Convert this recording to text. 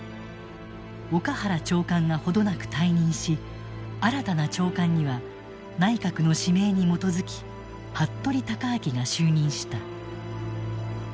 岡原長官が程なく退任し新たな長官には内閣の指名に基づき服部高顯が就任した。